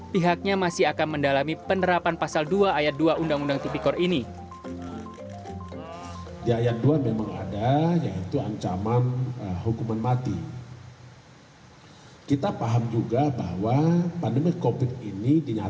pihaknya masih akan mendalami penerapan pasal dua ayat dua undang undang tipikor ini